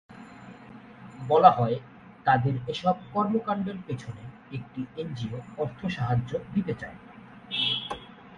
বলা হয়, তাদের এসব কর্মকাণ্ডের পেছনে একটি এনজিও অর্থ সাহায্য দিতে চায়।